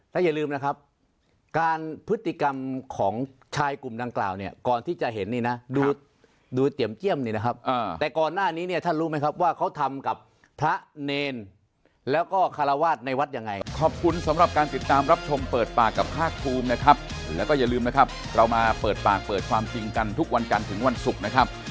ถ้ายังยืมนะครับการพฤติกรรมของชายกลุ่มต่างเนี้ยก่อนที่จะเห็นนี่นะดูดูเปรียบเจ้นหนึ่งนะครับแต่ก่อนหน้านี้เนี่ยท่านรู้มั้ยครับว่าเขาทำกับทะเรศแล้วก็ฆาลวาทในวัยังไง